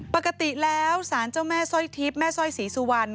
ปกติแล้วสารเจ้าแม่สร้อยทิพย์แม่สร้อยศรีสุวรรณ